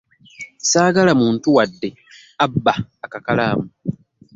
Ssaagala muntu wadde abba akakalaamu